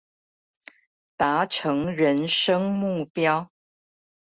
達成人生目標